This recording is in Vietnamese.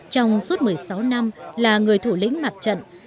trong suốt một mươi sáu năm là người thủ lĩnh mặt trận